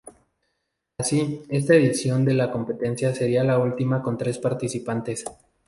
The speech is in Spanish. Así, esta edición de la competencia sería la última con tres participantes.